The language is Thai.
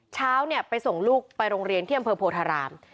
เช้าไปส่งลูกไปโรงเรียนที่อำเภอโพธาราม